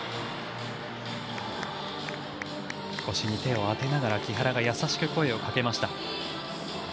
腰に手を当てながら木原が優しく声をかけました。